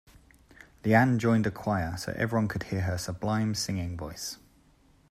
Leanne joined a choir so everyone could hear her sublime singing voice.